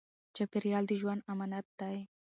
چاپېریال د ژوند امانت دی.